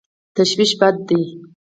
تشویش بد دی.